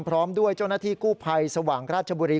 พร้อมด้วยเจ้าหน้าที่กู้ภัยสว่างราชบุรี